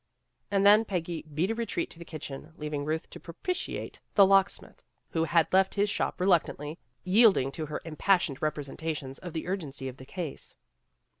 And then Peggy beat a retreat to the kitchen, leav ing Ruth to propitiate the locksmith, who had left his shop reluctantly, yielding to her im passioned representations of the urgency of the case.